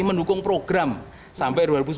mendukung program sampai dua ribu sembilan belas